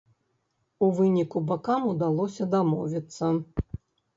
У выніку бакам удалося дамовіцца.